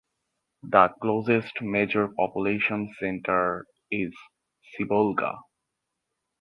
The closest major population center is Sibolga.